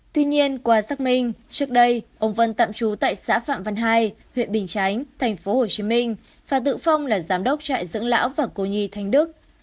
tuy nhiên qua xác minh trước đây ông vân tạm trú tại xã phạm văn hai huyện bình chánh tp hcm và tự phong là giám đốc trại dưỡng lão và cô nhi thanh đức